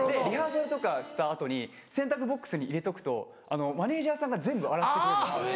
リハーサルとかした後に洗濯ボックスに入れとくとマネジャーさんが全部洗ってくれるんです。